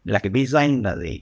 là cái bí danh là gì